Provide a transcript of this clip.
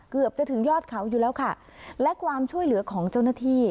เกือบจะถึงยอดเขาอยู่แล้วค่ะและความช่วยเหลือของเจ้าหน้าที่